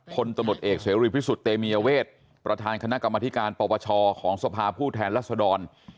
คนตำรวจเอกเสรีพิสุทธิ์เตมียเวทประธานคณะกรรมธิการปปชของสภาผู้แทนรัศดร